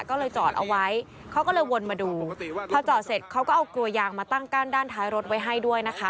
ก็เลยจอดเอาไว้เขาก็เลยวนมาดูพอจอดเสร็จเขาก็เอากลัวยางมาตั้งกั้นด้านท้ายรถไว้ให้ด้วยนะคะ